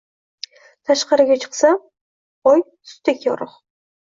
Tashqariga chiqsam, oy sutdek yorug‘